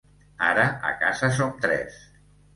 Ara a casa som tres.